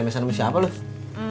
sms ama siapa lu